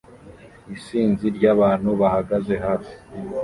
Isinzi ry'abantu bahagaze hafi